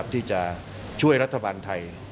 ที่จะช่วยรัฐบาลไทย